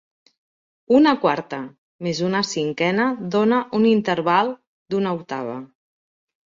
Una quarta més una cinquena dóna un interval d'una octava.